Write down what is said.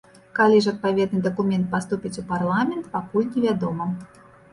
Калі ж адпаведны дакумент паступіць у парламент, пакуль невядома.